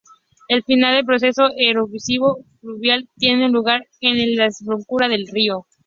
El final del proceso erosivo fluvial tiene lugar en la desembocadura del río.